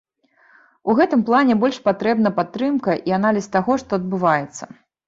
У гэтым плане больш патрэбна падтрымка і аналіз таго, што адбываецца.